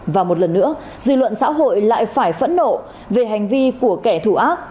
và một lần nữa dư luận xã hội lại phải phẫn nộ về hành vi của kẻ thù ác